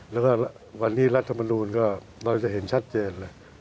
แล้วก็วันนี้รัฐธรรมนูญก็น้อยจะเห็นชัดเจน